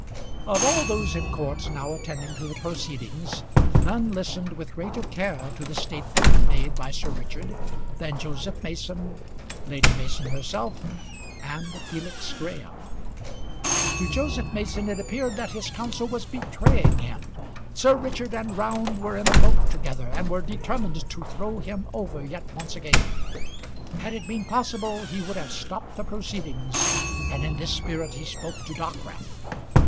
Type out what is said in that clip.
Of all those in court now attending to the proceedings, none listened with greater care to the statement made by Sir Richard than Joseph Mason, Lady Mason herself, and Felix Graham. To Joseph Mason it appeared that his counsel was betraying him. Sir Richard and Round were in a boat together and were determined to throw him over yet once again. Had it been possible he would have stopped the proceedings, and in this spirit he spoke to Dockwrath.